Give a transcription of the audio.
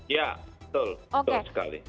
ya betul betul sekali